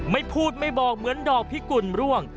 ไม่พูดไม่บอกเหมือนดอกพิกุลร่วง